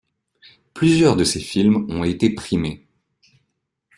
Plusieurs de ses films ont été primés.